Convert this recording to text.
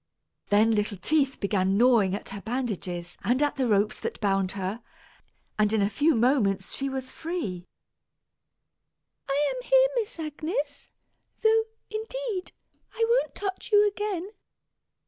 Then little teeth began gnawing at her bandages and at the ropes that bound her, and in a few moments she was free. "I am here, Miss Agnes; though, indeed, I won't touch you again!"